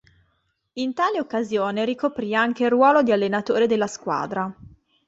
In tale occasione ricoprì anche il ruolo di allenatore della squadra.